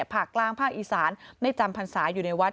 ภาคกลางภาคอีสานไม่จำพรรษาอยู่ในวัด